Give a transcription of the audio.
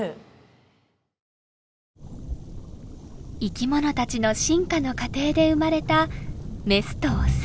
生きものたちの進化の過程で生まれたメスとオス。